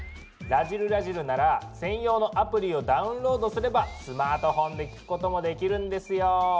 「らじる★らじる」なら専用のアプリをダウンロードすればスマートフォンで聞くこともできるんですよ。